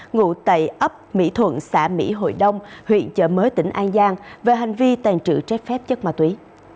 ngụ tại ấp mỹ thuận xã mỹ hội đông huyện chợ mới tỉnh an giang về hành vi tàn trự trái phép chất ma túy